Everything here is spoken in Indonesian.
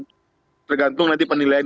permukaan tergantung nanti penilaian